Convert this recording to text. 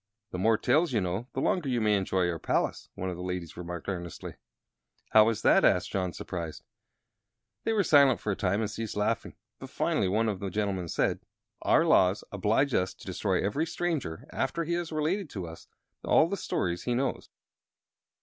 "The more tales you know the longer you may enjoy our palace," one of the ladies remarked, earnestly. "How is that?" asked John, surprised. They were silent for a time, and ceased laughing. But finally one of the gentlemen said: "Our laws oblige us to destroy every stranger, after he has related to us all the stories he knows.